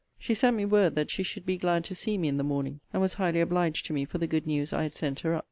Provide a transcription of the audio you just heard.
She sent me word that she should be glad to see me in the morning; and was highly obliged to me for the good news I had sent her up.